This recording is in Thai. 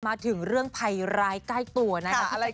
มาถึงเรื่องภัยร้ายใกล้ตัวนะคะ